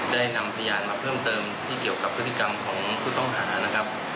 ได้นำพยานมาเพิ่มเติมที่เกี่ยวกับพฤติกรรมของผู้ต้องหานะครับ